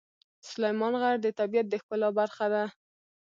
سلیمان غر د طبیعت د ښکلا برخه ده.